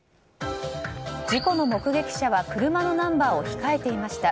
事故の目撃者は車のナンバーを控えていました。